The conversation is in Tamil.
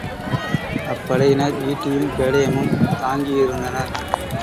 அப்படையினர் ஈட்டியும் கேடயமும் தாங்கியிருந்தனர்.